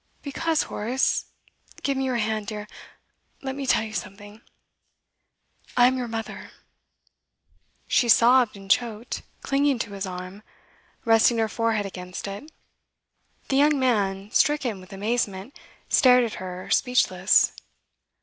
'Because Horace give me your hand, dear; let me tell you something. I am your mother.' She sobbed and choked, clinging to his arm, resting her forehead against it. The young man, stricken with amazement, stared at her, speechless.